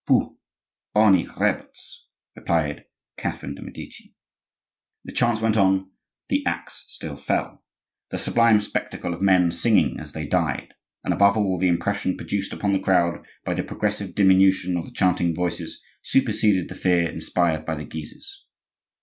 "Pooh! only rebels!" replied Catherine de' Medici. The chants went on; the axe still fell. The sublime spectacle of men singing as they died, and, above all, the impression produced upon the crowd by the progressive diminution of the chanting voices, superseded the fear inspired by the Guises.